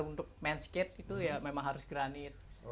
untuk main skate itu ya memang harus granit